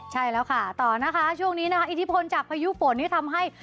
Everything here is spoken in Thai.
ใช่แล้วค่ะต่อนะคะช่วงนี้นะคะอิทธิพลจากพายุฝนที่ทำให้